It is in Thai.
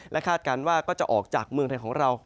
คาดการณ์ว่าก็จะออกจากเมืองไทยของเรา